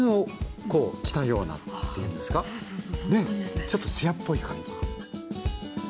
ちょっと艶っぽい感じの。